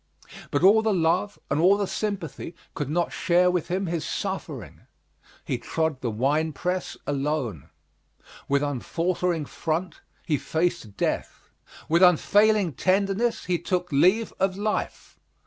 But all the love and all the sympathy could not share with him his suffering. He trod the wine press alone. With unfaltering front he faced death. With unfailing tenderness he took leave of life.